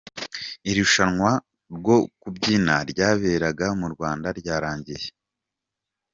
Irushanwa rwo kubyina ryaberaga mu Rwanda ryarangiye.